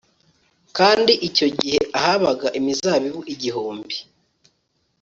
kandi icyo gihe ahabaga imizabibu igihumbi